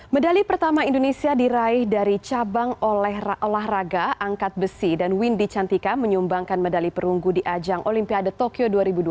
medali pertama indonesia diraih dari cabang olahraga angkat besi dan windy cantika menyumbangkan medali perunggu di ajang olimpiade tokyo dua ribu dua puluh